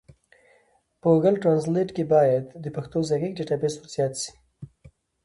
په ګوګل ټرانزلېټ کي بايد د پښتو ږغيز ډيټابيس ورزيات سي.